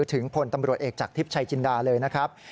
ถึงพลตำรวจเอกจากทิพย์ชัยจินดาเลยนะครับ